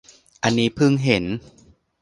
อันนี้เพิ่งเห็น